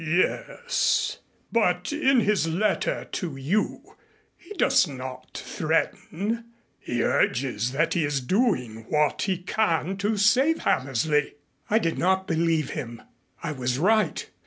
"Yes, but in his letter to you he does not threaten. He urges that he is doing what he can to save Hammersley!" "I did not believe him. I was right.